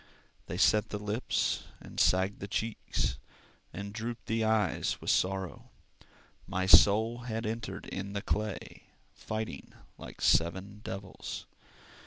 They set the lips, and sagged the cheeks, And drooped the eye with sorrow. My soul had entered in the clay, Fighting like seven devils.